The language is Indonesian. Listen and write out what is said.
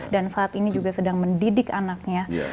dan saat ini juga sedang mendidik anaknya